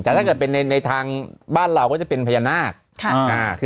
แต่ถ้าเกิดเป็นในทางบ้านเราก็จะเป็นพญานาค